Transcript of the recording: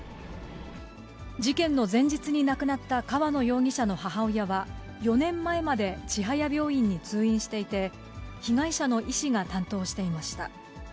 事件の前日に亡くなった川野容疑者の母親は、４年前まで千早病院に通院していて、被害者の医師が担当していました。